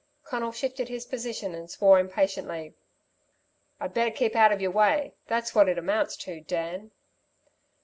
Conal shifted his position and swore impatiently. "I'd better keep out of your way that's what it amounts to, Dan!"